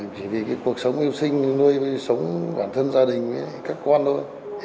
chỉ vì cuộc sống yêu sinh nuôi sống bản thân gia đình với các con thôi